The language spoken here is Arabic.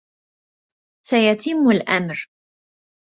سيتم الامر